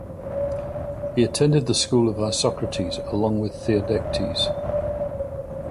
He attended the school of Isocrates, along with Theodectes.